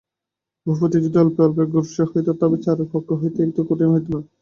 ভূপতি যদি অল্পে অল্পে অগ্রসর হইত তবে চারুর পক্ষে হয়তো এত কঠিন হইত না।